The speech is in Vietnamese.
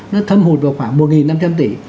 nó thâm hụt vào khoảng một năm trăm linh tỷ